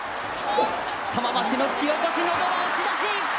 玉鷲の突き起こしのど輪押し出し！